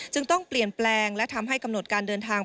ต้องเปลี่ยนแปลงและทำให้กำหนดการเดินทาง